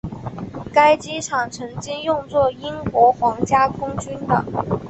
该机场曾经用作英国皇家空军的。